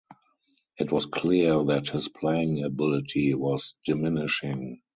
It was clear that his playing ability was diminishing.